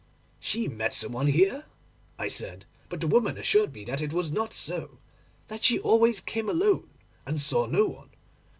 "She met some one here?" I said; but the woman assured me that it was not so, that she always came alone, and saw no one.